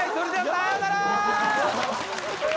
さようなら！